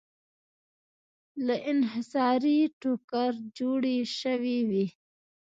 له انحصاري ټوکر جوړې شوې وې.